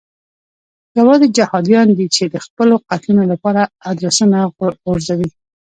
یوازې جهادیان دي چې د خپلو قتلونو لپاره ادرسونه غورځوي.